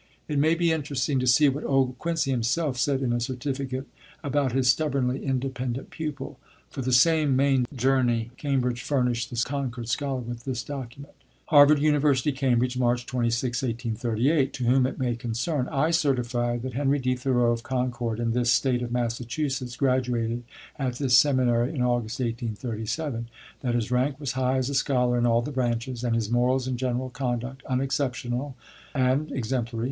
It may be interesting to see what old Quincy himself said, in a certificate, about his stubbornly independent pupil. For the same Maine journey Cambridge furnished the Concord scholar with this document: "HARVARD UNIVERSITY, CAMBRIDGE, March 26, 1838. "TO WHOM IT MAY CONCERN, I certify that Henry D. Thoreau, of Concord, in this State of Massachusetts, graduated at this seminary in August, 1837; that his rank was high as a scholar in all the branches, and his morals and general conduct unexceptionable and exemplary.